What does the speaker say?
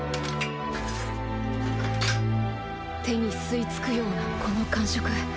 手に吸いつくようなこの感触。